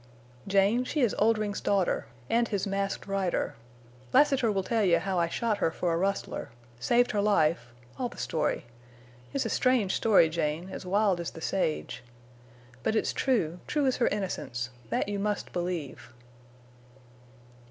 "Jane, she is Oldring's daughter, and his Masked Rider. Lassiter will tell you how I shot her for a rustler, saved her life—all the story. It's a strange story, Jane, as wild as the sage. But it's true—true as her innocence. That you must believe."